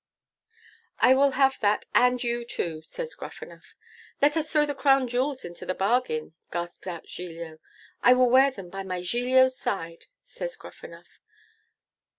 'I will have that and you too!' says Gruffanuff. 'Let us throw the crown jewels into the bargain,' gasps out Giglio. 'I will wear them by my Giglio's side!' says Gruffanuff.